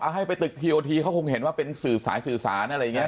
ให้ไปตึกทีโอทีเขาคงเห็นว่าเป็นสื่อสายสื่อสารอะไรอย่างนี้